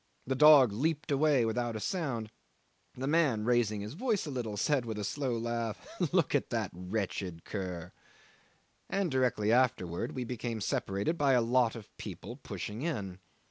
The dog leaped away without a sound; the man, raising his voice a little, said with a slow laugh, "Look at that wretched cur," and directly afterwards we became separated by a lot of people pushing in.